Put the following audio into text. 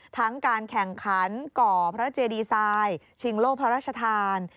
ทั้งการแข่งขันก่อพระเจดีไซน์ชิงโลกพระราชทาน